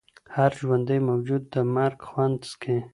هر ژوندی موجود د مرګ خوند څکي.